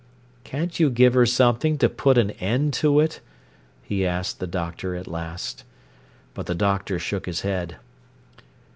"Can't you give her something to put an end to it?" he asked the doctor at last. But the doctor shook his head.